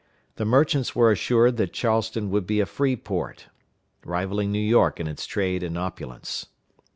The merchants were assured that Charleston would be a free port, rivaling New York in its trade and opulence.